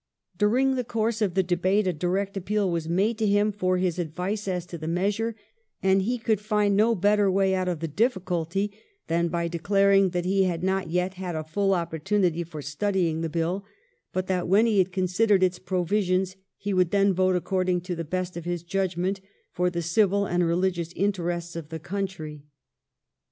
During the course of the debate a direct appeal was made to him for his advice as to the measure, and he could find no better way out of the difiiculty than by declaring that he had not yet had a full opportunity of studying the Bill, but that when he had considered its provisions he would then vote according to the best of his judgment for the civil and religious interests of the country.